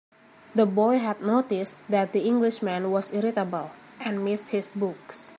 The boy had noticed that the Englishman was irritable, and missed his books.